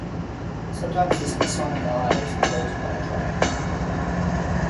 Sometimes this Masonic Eye is enclosed by a triangle.